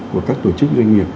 của các tổ chức doanh nghiệp